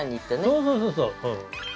そうそうそうそう！